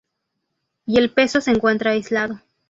Y el peso se encuentra aislado.